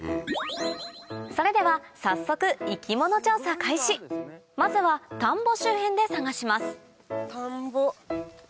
それでは早速まずは田んぼ周辺で探します田んぼ。